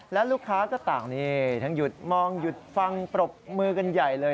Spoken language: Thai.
และลูกค้าก็ต่างนี่ทั้งหยุดมองหยุดฟังปรบมือกันใหญ่เลย